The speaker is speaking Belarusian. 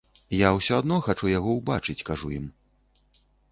Я ўсё адно хачу яго ўбачыць, кажу ім.